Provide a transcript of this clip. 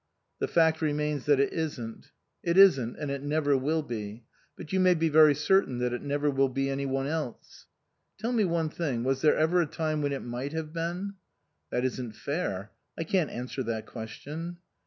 " The fact remains that it isn't ?"" It isn't, and it never will be. But you may be very certain that it will never be any one else." " Tell me one thing was there ever a time when it might have been?" "That isn't fair. I can't answer that ques tion."